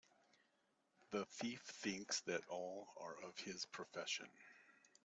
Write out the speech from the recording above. The thief thinks that all are of his profession